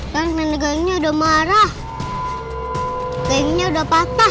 dan menegangnya udah marah kayaknya udah patah